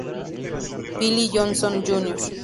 Billy Johnson, Jr.